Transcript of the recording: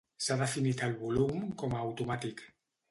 S'ha definit el volum com a automàtic.